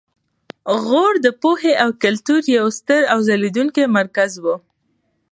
غور د پوهې او کلتور یو ستر او ځلیدونکی مرکز و